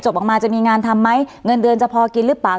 ออกมาจะมีงานทำไหมเงินเดือนจะพอกินหรือเปล่า